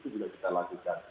itu juga kita lakukan